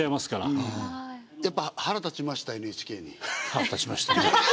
腹立ちましたね。